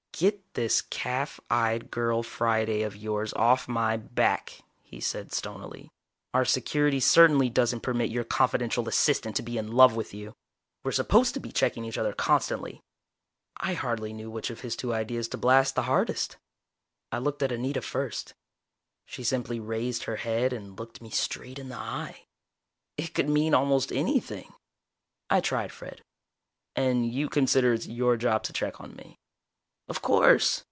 "Get this calf eyed girl Friday of yours off my back," he said stonily. "Our security certainly doesn't permit your confidential assistant to be in love with you. We're supposed to be checking each other constantly." I hardly knew which of his two ideas to blast the hardest. I looked at Anita first. She simply raised her head and looked me straight in the eye. It could mean almost anything. I tried Fred: "And you consider it's your job to check on me?" "Of course.